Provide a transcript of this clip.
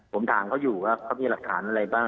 ผมถามเขาอยู่ว่าเขามีหลักฐานอะไรบ้าง